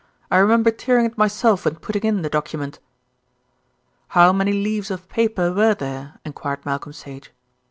"I remember tearing it myself when putting in the document." "How many leaves of paper were there?" enquired Malcolm Sage.